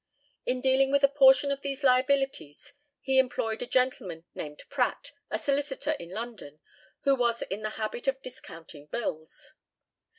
In dealing with a portion of these liabilities he employed a gentleman named Pratt, a solicitor in London, who was in the habit of discounting bills.